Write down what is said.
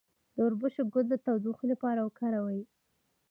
د وربشو ګل د تودوخې لپاره وکاروئ